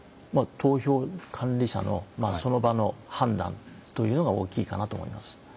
投票管理者のその場の判断というのが大きいかなと思います。